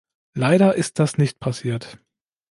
Leider ist das nicht passiert.